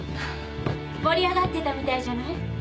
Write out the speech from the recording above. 盛り上がってたみたいじゃない。